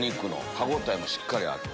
歯応えもしっかりあって。